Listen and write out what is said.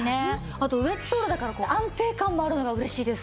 あとウェッジソールだから安定感もあるのが嬉しいです。